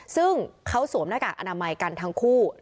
ซึ่งเขาสวมหน้ากากอนามัยกันทั้งคู่